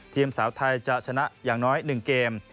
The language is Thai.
ทีมสาวไทยจะชนะอย่างน้อยหนึ่งเกม